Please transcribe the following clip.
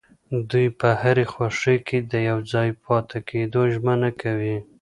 دوی په هرې خوښۍ کې د يوځای پاتې کيدو ژمنه کوي.